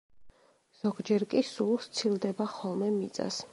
ზოგჯერ კი სულ სცილდება ხოლმე მიწას.